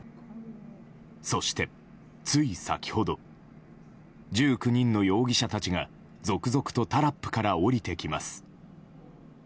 そして、つい先ほど１９人の容疑者たちが続々とタラップから降りてきます。